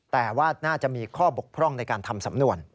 แต่ว่าน่าจะมีข้อบกพร่องในการทำสำนวน